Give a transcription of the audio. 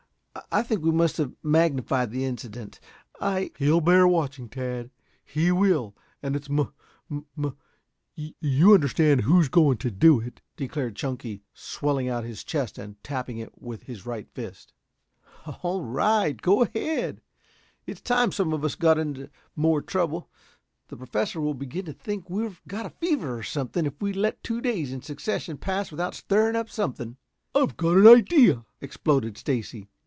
I think we must have magnified the incident. I " "He'll bear watching, Tad. He will and it's muh muh you understand who's going to do it," declared Chunky, swelling out his chest and tapping it with his right fist. "All right, go ahead," laughed Tad. "It's time some of us get into more trouble. The Professor will begin to think we've got a fever, or something, if we let two days in succession pass without stirring up something." "I've got an idea," exploded Stacy.